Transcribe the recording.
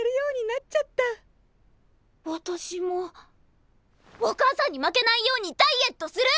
私もお母さんに負けないようにダイエットする！